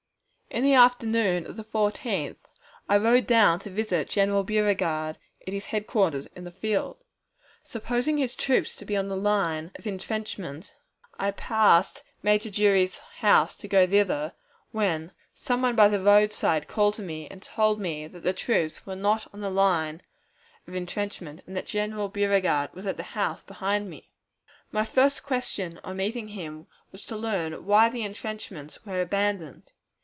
In the afternoon of the 14th I rode down to visit General Beauregard at his headquarters in the field. Supposing his troops to be on the line of intrenchment, I passed Major Drury's house to go thither, when some one by the roadside called to me and told me that the troops were not on the line of intrenchment, and that General Beauregard was at the house behind me. My first question on meeting him was to learn why the intrenchments were abandoned.